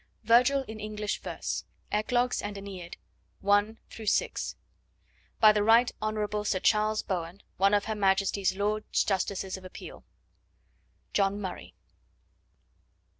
Virgil in English Verse. Eclogues and AEneid I. VI. By the Right Hon. Sir Charles Bowen, one of Her Majesty's Lords Justices of Appeal. (John Murray.)